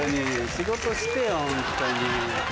仕事してよホントに。